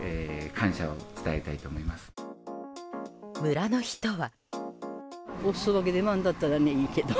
村の人は。